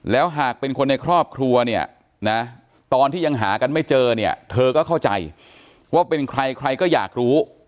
แล้วหากเป็นคนในครอบครัวเนี่ยนะตอนที่ยังหากันไม่เจอเนี่ยเธอก็เข้าใจว่าเป็นใครใครก็อยากรู้